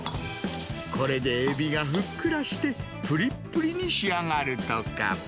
これでエビがふっくらして、ぷりっぷりに仕上がるとか。